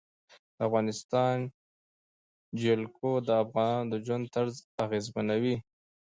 د افغانستان جلکو د افغانانو د ژوند طرز اغېزمنوي.